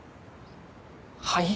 はい？